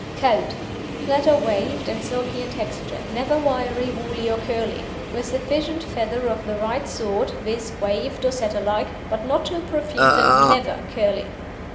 COAT Flat or waved, and silky in texture, never wiry, woolly, or curly, with sufficient feather of the right sort, viz., waved or Setter like, but not too profuse and never curly.